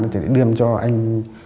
thì đem cho anh